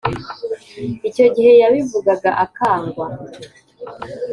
icyo gihe yabivugaga akangwa